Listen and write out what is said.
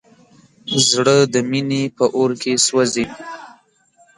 زړه د مینې په اور کې سوځي.